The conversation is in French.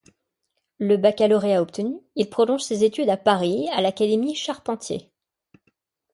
Le baccalauréat obtenu, il prolonge ses études à Paris à l'Académie Charpentier.